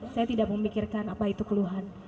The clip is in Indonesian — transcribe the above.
saya tidak memikirkan apa itu keluhan